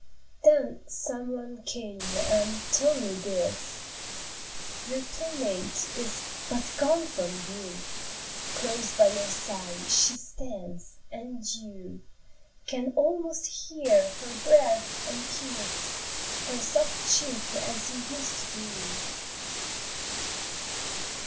Then some one came and told me this: "Your playmate is but gone from view, Close by your side she stands, and you Can almost hear her breathe, and kiss Her soft cheek as you used to do.